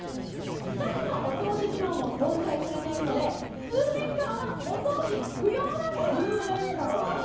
２つのお掃除機能も搭載されているので数年間はお掃除不要なんです数年間！？